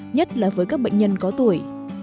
nhất là với các bệnh nhân có tuổi